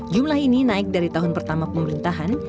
jumlah ini naik dari tahun pertama pemerintahan